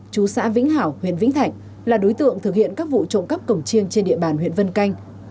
chú xã vĩnh hảo huyện vĩnh thạnh là đối tượng thực hiện các vụ trộm cắp cổng chiêng trên địa bàn huyện vân canh